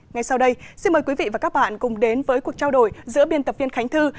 ngay sau đây xin mời quý vị và các bạn cùng đến với cuộc trao đổi giữa biên tập viên khánh thư